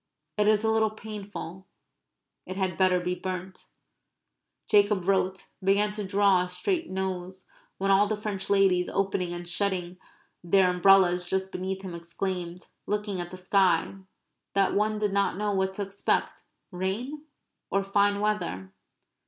It is a little painful. It had better be burnt. Jacob wrote; began to draw a straight nose; when all the French ladies opening and shutting their umbrellas just beneath him exclaimed, looking at the sky, that one did not know what to expect rain or fine weather?